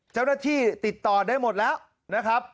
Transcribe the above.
เจ้าหน้าที่ติดต่อได้หมดแล้วนะครับ